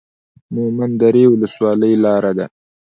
مومند درې ولسوالۍ لاره ده؟